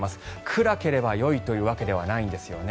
暗ければよいというわけではないんです。